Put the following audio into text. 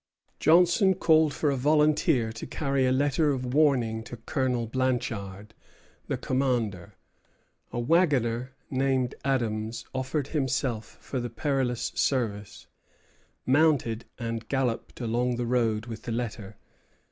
Johnson called for a volunteer to carry a letter of warning to Colonel Blanchard, the commander. A wagoner named Adams offered himself for the perilous service, mounted, and galloped along the road with the letter.